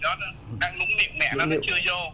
còn con nhóc này nó đang sợ